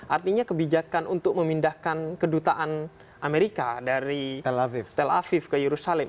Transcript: artinya kebijakan untuk memindahkan kedutaan amerika dari tel aviv ke yerusalem